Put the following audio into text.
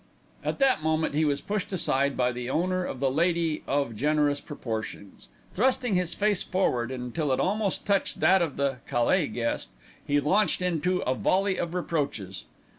At that moment he was pushed aside by the owner of the lady of generous proportions. Thrusting his face forward until it almost touched that of the "caille" guest, he launched out into a volley of reproaches.